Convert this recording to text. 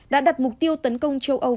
đã đặt mục tiêu tấn công châu âu